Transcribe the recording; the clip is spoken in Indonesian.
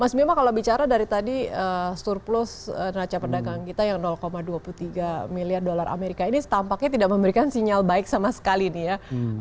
mas bima kalau bicara dari tadi surplus neraca perdagangan kita yang dua puluh tiga miliar dolar amerika ini tampaknya tidak memberikan sinyal baik sama sekali nih ya